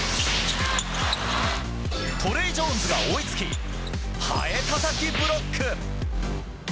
トレイ・ジョーンズが追いつきハエたたきブロック！